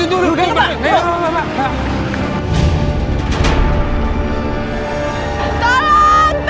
jangan kuat ini tolong